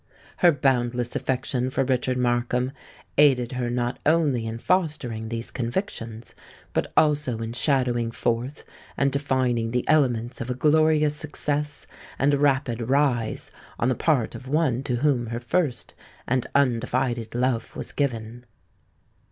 Her boundless affection for Richard Markham aided her not only in fostering these convictions, but also in shadowing forth and defining the elements of a glorious success and rapid rise on the part of one to whom her first and undivided love was given.